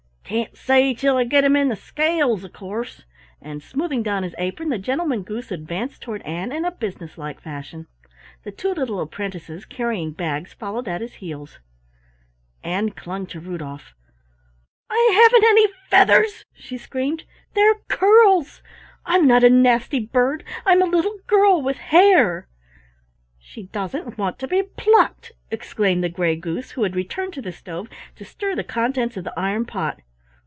"Can't say till I get 'em in the scales, of course," and, smoothing down his apron, the Gentleman Goose advanced toward Ann in a businesslike fashion. The two little apprentices, carrying bags, followed at his heels. Ann clung to Rudolf. "I haven't any feathers," she screamed. "They're curls. I'm not a nasty bird I'm a little girl with hair!" "She doesn't want to be plucked!" exclaimed the Gray Goose who had returned to the stove to stir the contents of the iron pot.